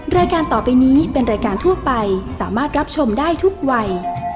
รายการต่อไปนี้เป็นรายการทั่วไปสามารถรับชมได้ทุกวัย